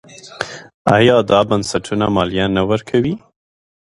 آیا دا بنسټونه مالیه نه ورکوي؟